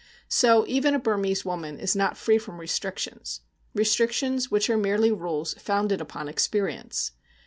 So even a Burmese woman is not free from restrictions restrictions which are merely rules founded upon experience.